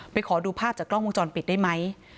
ขอดูภาพจากกล้องวงจรปิดได้ไหม